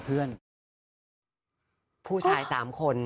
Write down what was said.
คือผู้ชายสามคน